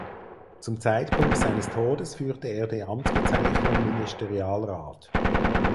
Zum Zeitpunkt seines Todes führte er die Amtsbezeichnung Ministerialrat.